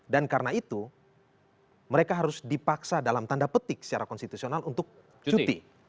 dan karena itu mereka harus dipaksa dalam tanda petik secara konstitusional untuk cuti